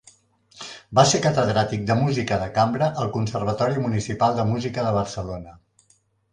Va ser catedràtic de música de cambra al Conservatori Municipal de Música de Barcelona.